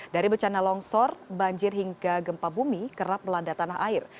dari bencana longsor banjir hingga gempa bumi kerap melanda tanah air